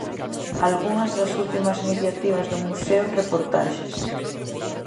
Algunhas das últimas iniciativas do Museo en reportaxes.